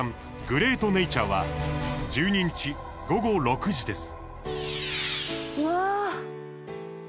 グレートネイチャー」は１２日、午後６時です。